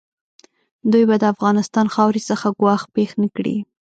دوی به د افغانستان خاورې څخه ګواښ پېښ نه کړي.